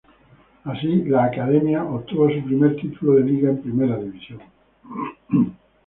Así, la "Academia" obtuvo su primer título de liga en primera división.